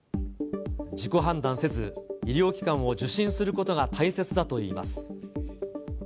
自己判断せず、医療機関を受診することが大切だといいます。